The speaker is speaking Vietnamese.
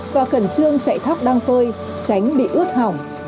và khẩn trương chạy thóc đang phơi tránh bị ướt hỏng